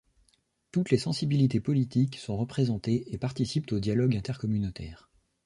Toutes les sensibilités politiques sont représentées et participent au dialogue intercommunautaire.